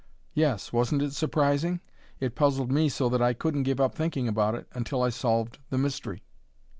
"Yes; wasn't it surprising? It puzzled me so that I couldn't give up thinking about it until I solved the mystery."